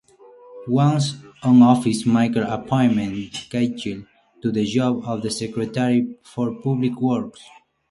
Once in office, McKell appointed Cahill to the job of Secretary for Public Works.